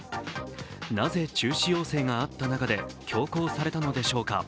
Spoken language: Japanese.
なぜ中止要請があった中で強行されたのでしょうか。